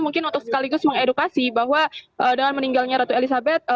mungkin untuk sekaligus mengedukasi bahwa dengan meninggalnya ratu elizabeth